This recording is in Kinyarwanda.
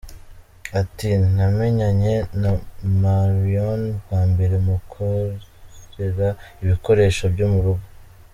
Ati “Namenyanye na Marion bwa mbere mukorera ibikoresho byo mu rugo.